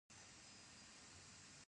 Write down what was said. ازادي راډیو د بیکاري ستر اهميت تشریح کړی.